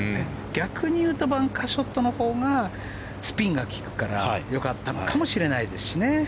逆に言うとバンカーショットのほうがスピンが利くから良かったかもしれないですしね。